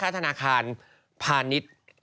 ธนาคารพาณิชย์